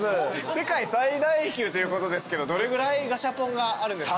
世界最大級ということですけどどれぐらいガシャポンがあるんですか？